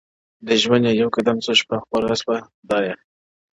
د ژوند يې يو قدم سو، شپه خوره سوه خدايه،